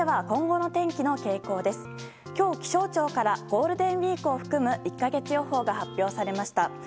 今日、気象庁からゴールデンウィークを含む１か月予報が発表されました。